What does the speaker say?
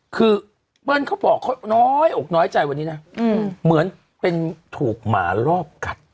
คือเปิ้ลเขาบอกเขาน้อยอกน้อยใจวันนี้นะเหมือนเป็นถูกหมารอบกัด